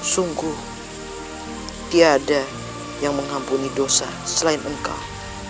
sungguh tiada yang mengampuni dosa selain engkau